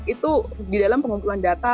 itu di dalam pengumpulan data